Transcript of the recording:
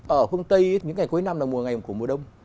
ở hôm tây những ngày cuối năm là mùa ngày của mùa đông